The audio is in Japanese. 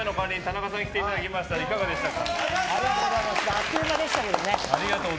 あっという間でしたけどね。